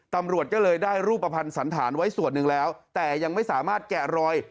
ตำรวจก็เลยได้รูปภัณฑ์สันฐานไว้ส่วนหนึ่งแล้วแต่ยังไม่สามารถแกะรอย